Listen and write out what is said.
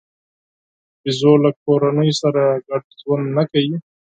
بیزو له کورنیو سره ګډ ژوند نه کوي.